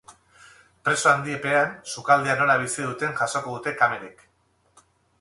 Presio handi pean sukaldea nola bizi duten jasoko dute kamerek.